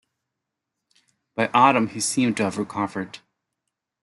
By autumn he seemed to have recovered.